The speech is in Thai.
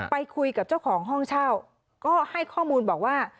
ไปคุยกับเจ้าของห้องเช่าก็ให้ข้อมูลบอกว่า